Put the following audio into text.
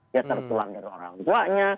dia tertular dari orang tuanya